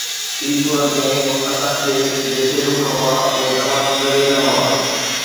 ٻي صورت ۾، اسان کي جيڪي ڏک هئا، اهي تمام ڳري نه هئا